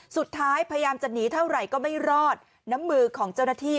สุดท้ายพยายามจะหนีเท่าไหร่ก็ไม่รอดน้ำมือของเจ้าหน้าที่